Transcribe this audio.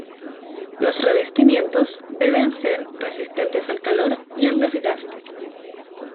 Los revestimientos deben ser resistentes al calor y al desgaste.